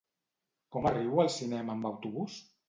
Com arribo al cinema amb autobús?